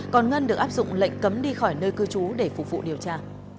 còn ngân được áp dụng lệnh cấm đi khỏi nơi cư trú để phục vụ điều tra